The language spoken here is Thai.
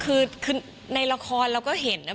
คือในละครเราก็เห็นนะ